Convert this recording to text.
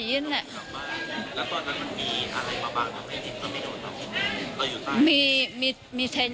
แล้วตอนนั้นมันมีอะไรมาบ้างทำไมทิศก็ไม่โดน